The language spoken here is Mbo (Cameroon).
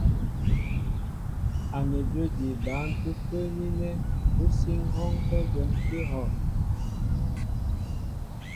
Anədwə́ di bǎn ú pə́ə́ní ánɛ́ ú sí ŋ̀hɔ́ɔ́nkɛ́ gwɛ́m kɛ́ íhɔ́'.